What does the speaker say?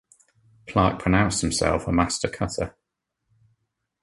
Clark pronounced himself a master cutter.